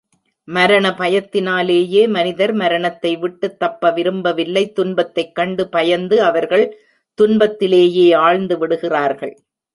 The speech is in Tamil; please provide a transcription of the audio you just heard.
மரண பயத்தினாலேயே மனிதர் மரணத்தை விட்டுத் தப்ப விரும்பவில்லை துன்பத்தைக் கண்டு பயந்து, அவர்கள் துன்பத்திலேயே ஆழ்ந்துவிடுகிறார்கள்.